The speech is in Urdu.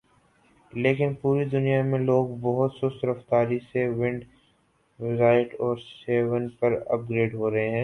لیکن پوری دنیا میں لوگ بہت سست رفتاری سے ونڈوزایٹ اور سیون پر اپ گریڈ ہوہے ہیں